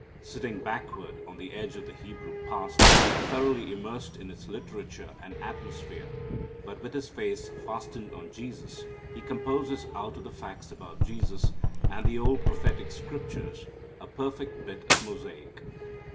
Sitting backward on the edge of the Hebrew past, thoroughly immersed in its literature and atmosphere, but with his face fastened on Jesus, he composes out of the facts about Jesus and the old prophetic scriptures a perfect bit of mosaic.